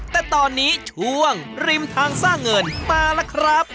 แต่ตอนนี้ช่วงริมทางสร้างเงินมาแล้วครับ